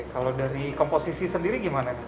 kalau dari komposisi sendiri gimana